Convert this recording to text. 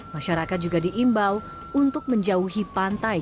masyarakat juga diimbau untuk menjauhi pantai